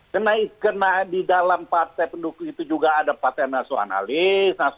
karena di dalam partai pendukung itu juga ada partai nasionalis